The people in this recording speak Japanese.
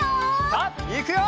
さあいくよ！